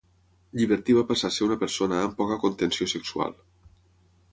Llibertí va passar a ser una persona amb poca contenció sexual.